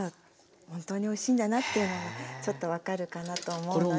本当においしいんだなっていうのがちょっと分かるかなと思うので。